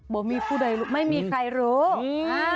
ว่ามีผู้ใดไม่มีใครรู้